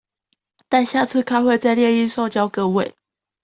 待下次開會再列印送交各位